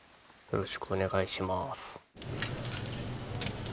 よろしくお願いします